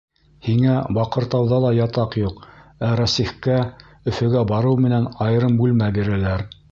Һиңә Баҡыртауҙа ла ятаҡ юҡ, ә Рәсихкә Өфөгә барыу менән айырым бүлмә бирәләр.